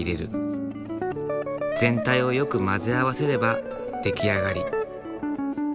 全体をよく混ぜ合わせれば出来上がり。